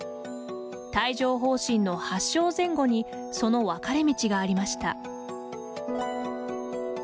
帯状ほう疹の発症前後にその分かれ道がありました。